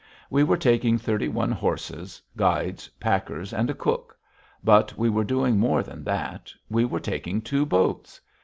We were taking thirty one horses, guides, packers, and a cook. But we were doing more than that we were taking two boats!